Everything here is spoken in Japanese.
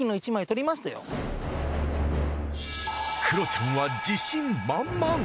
クロちゃんは自信満々。